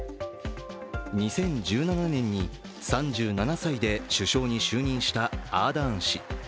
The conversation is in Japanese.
２０１７年に３７歳で首相に就任したアーダーン氏。